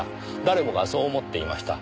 誰もがそう思っていました。